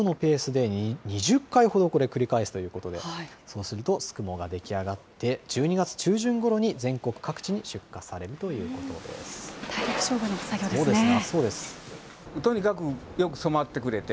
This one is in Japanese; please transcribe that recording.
この作業、５日の１度のペースで、２０回ほどこれ、繰り返すということで、そうするとすくもが出来上がって、１２月中旬ごろに、全国各地に出荷されるということで体力勝負の作業ですね。